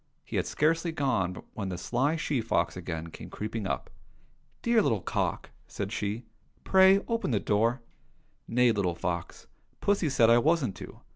He had scarcely gone when the sly she fox again came creeping up. " Dear little cock !" said she, " pray open the door !"—Nay, little fox ! Pussy said I wasn't to."